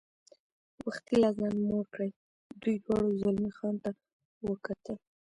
وختي لا ځان موړ کړی، دوی دواړو زلمی خان ته وکتل.